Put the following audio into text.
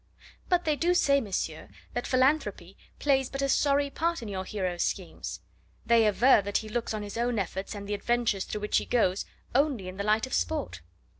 "But they do say, monsieur, that philanthropy plays but a sorry part in your hero's schemes. They aver that he looks on his own efforts and the adventures through which he goes only in the light of sport."